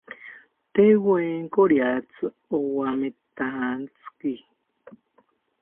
Tewenko riatzi owametantziki